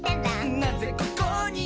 「なぜここに？」